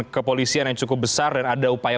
kepolisian yang cukup besar dan ada upaya